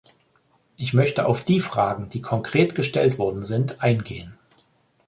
Ich möchte auf die Fragen, die konkret gestellt worden sind, eingehen.